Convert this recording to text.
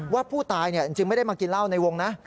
ว่าผู้ตายจริงไม่ได้มากินเหล้าในวงนะ